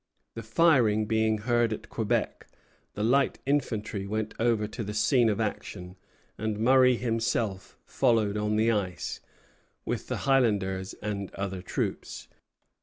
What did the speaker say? The firing being heard at Quebec, the light infantry went over to the scene of action, and Murray himself followed on the ice, with the Highlanders and other troops.